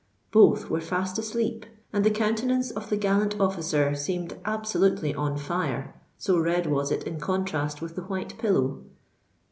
Both were fast asleep; and the countenance of the gallant officer seemed absolutely on fire, so red was it in contrast with the white pillow.